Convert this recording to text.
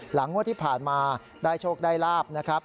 งวดที่ผ่านมาได้โชคได้ลาบนะครับ